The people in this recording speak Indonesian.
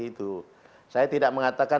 itu saya tidak mengatakan